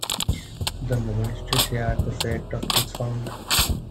The monastery shared the fate of its founder.